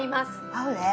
合うね